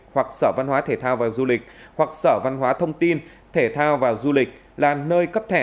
hoặc sở văn hóa thể thao và du lịch hoặc sở văn hóa thông tin thể thao và du lịch là nơi cấp thẻ